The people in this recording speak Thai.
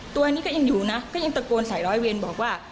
ตัวนี้ก็ยังอยู่นะก็ยังตะโกนใส่ร้อยเวรบอกว่า